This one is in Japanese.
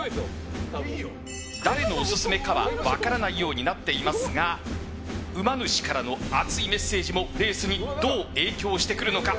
誰のオススメかは分からないようになっていますがうま主からの熱いメッセージもレースにどう影響してくるのか。